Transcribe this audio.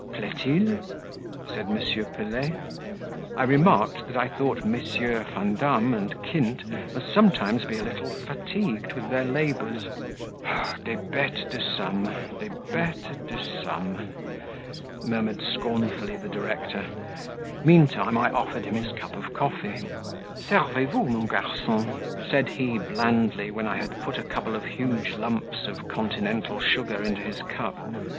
"Plait il?" dit M. Pelet. I remarked that I thought Messieurs Vandam and Kint must sometimes be a little fatigued with their labours. "Des betes de somme, des betes de somme," murmured scornfully the director. Meantime I offered him his cup of coffee. "Servez vous mon garcon," said he blandly, when I had put a couple of huge lumps of continental sugar into his cup.